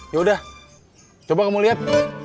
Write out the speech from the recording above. yaudah coba kamu lihat